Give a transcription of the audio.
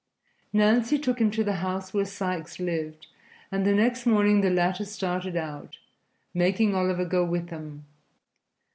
Nancy took him to the house where Sikes lived, and the next morning the latter started out, making Oliver go with him.